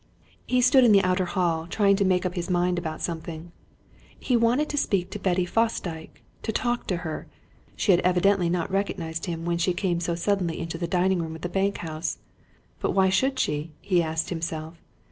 He stood in the outer hall trying to make up his mind about something. He wanted to speak to Betty Fosdyke to talk to her. She had evidently not recognized him when she came so suddenly into the dining room of the bank house. But why should she, he asked himself?